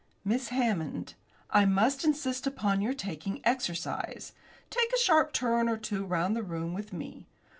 "Miss Hammond, I must insist upon your taking exercise. Take a sharp turn or two round the room with me.